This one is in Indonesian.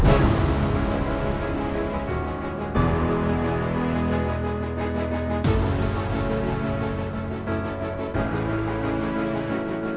terima kasih banyak om